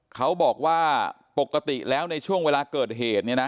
เขาบอกว่าปกติแล้วในช่วงเวลาเกิดเหตุเนี่ยนะ